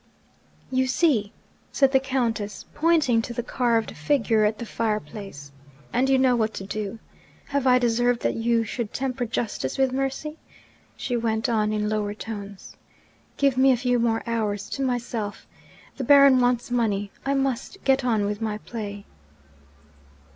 'You see?' said the Countess, pointing to the carved figure at the fire place; 'and you know what to do. Have I deserved that you should temper justice with mercy?' she went on in lower tones. 'Give me a few hours more to myself. The Baron wants money I must get on with my play.'